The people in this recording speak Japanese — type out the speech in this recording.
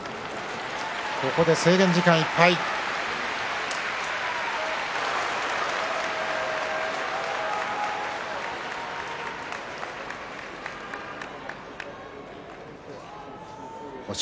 ここで制限時間いっぱいです。